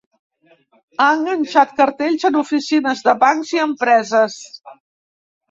Ha enganxat cartells en oficines de bancs i empreses.